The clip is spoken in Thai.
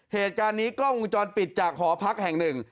เหตุการณ์นี้กล้องวงจรปิดจากหอพักแห่งหนึ่ง